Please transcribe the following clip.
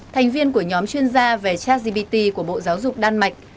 thành viên của nhóm chuyên gia về chatgbt của bộ giáo dục đan mạch